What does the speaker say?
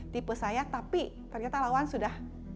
tipe saya tapi ternyata lawan sudah